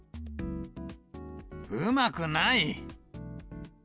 うまくない。